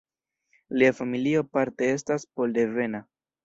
Lia familio parte estas pol-devena.